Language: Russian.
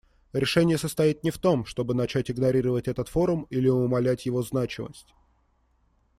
Решение состоит не в том, чтобы начать игнорировать этот форум или умалять его значимость.